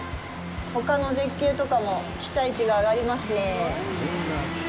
ほかの絶景とかも期待値が上がりますねえ。